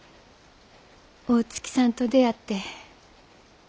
大月さんと出会って。